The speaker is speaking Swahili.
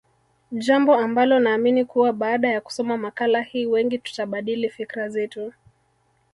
Jambo ambalo naamini kuwa baada ya kusoma makala hii wengi tutabadili fikra zetu